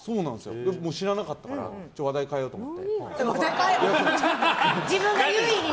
僕も知らなかったから話題変えようと思って。